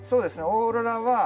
オーロラは。